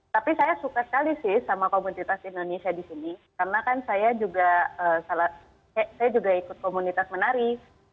tapi saya suka sekali sih sama komunitas indonesia di sini karena kan saya juga saya juga ikut komunitas menari